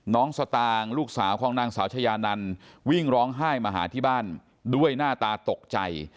สตางค์ลูกสาวของนางสาวชายานันวิ่งร้องไห้มาหาที่บ้านด้วยหน้าตาตกใจ